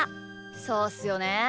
そうっすよね。